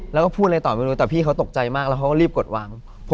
แล้วก็พูดอะไรต่อไม่รู้แต่พี่เขาตกใจมากแล้วเขาก็รีบกดวาง